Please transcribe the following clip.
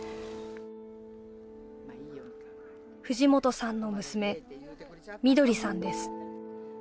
藤本さんの娘緑さんです